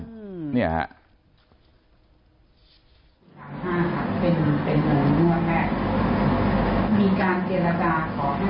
ตรงนั้นจะทะเมื่อไก่กรอบเงินก็ไป